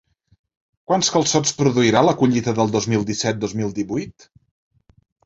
Quants calçots produirà la collita del dos mil disset-dos mil divuit?